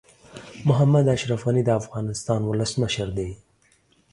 محمد اشرف غني د افغانستان ولسمشر دي.